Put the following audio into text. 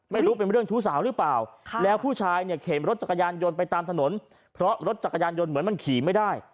ไม่รู้เป็นเรื่องชู้สาวหรือเปล่าแล้วผู้ชายเนี่ยเข็นรถจักรยานยนต์ไปตามถนนเพราะรถจักรยานยนต์เหมือนมันขี่ไม่ได้